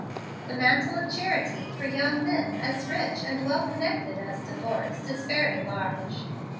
The mantle of charity for young men as rich and well connected as De Forrest is very large.